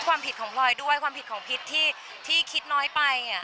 ความผิดของพลอยด้วยความผิดของพิษที่คิดน้อยไป